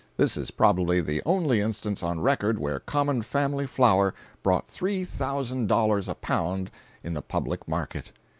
This is probably the only instance on record where common family flour brought three thousand dollars a pound in the public market.